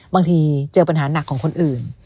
บางทีเจอปัญหาหนักของคนอื่น